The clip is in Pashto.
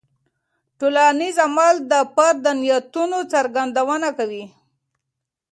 ټولنیز عمل د فرد د نیتونو څرګندونه کوي.